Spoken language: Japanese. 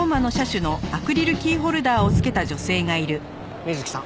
水木さん。